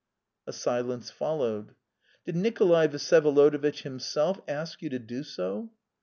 A silence followed. "Did Nikolay Vsyevolodovitch himself ask you to do so?"